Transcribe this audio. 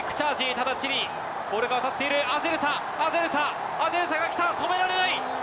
ただ、チリ、ボールが渡っている、アゼルサ、アゼルサ、アゼルサが来た、止められない。